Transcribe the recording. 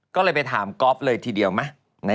ก็เลยไปถามก๊อฟเลยทีเดียวไหม